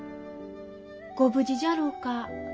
ご無事じゃろうか？